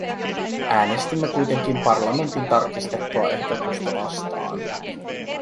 Äänestimme kuitenkin parlamentin tarkistettua ehdotusta vastaan.